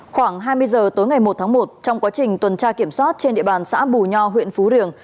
khoảng hai mươi giờ tối ngày một tháng một trong quá trình tuần tra kiểm soát trên địa bàn xã bù nho huyện phú riềng